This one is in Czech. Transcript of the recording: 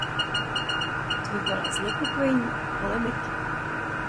Tento bod vyvolal znepokojení a polemiky.